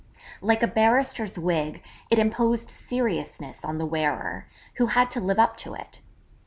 Like a barrister's wig it imposed seriousness on the wearer, who had to live up to it.